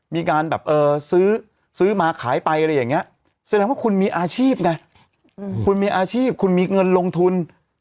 มีการซื้อมาขายไปอะไรอย่างเนี่ยแสดงว่าคุณมีอาชีพเขามีเงินลงทุน